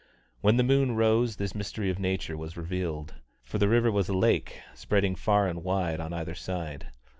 When the moon rose this mystery of nature was revealed, for the river was a lake, spreading far and wide on either side.